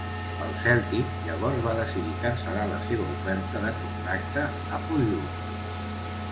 El Celtic llavors va decidir cancel·lar la seva oferta de contracte a Fojut.